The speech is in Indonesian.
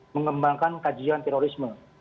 mengembangkan kajian terorisme